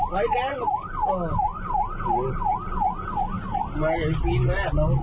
ใสจริงนะเนี่ยเอาด้วย